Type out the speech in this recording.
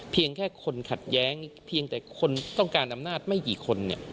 เพียงแค่คนขัดแย้งเพียงแต่คนต้องการอำนาจไม่กี่คน